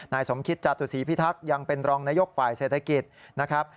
สมคิตจตุศีพิทักษ์ยังเป็นรองนายกฝ่ายเศรษฐกิจนะครับ